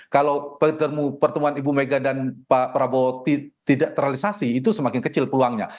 kalau pertemuan ibu mega dan pak prabowo tidak terrealisasi itu semakin kecil peluangnya